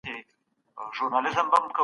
ډیپلوماټان کله د بشري حقونو تړونونه مني؟